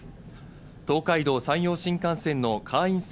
東海道・山陽新幹線の会員制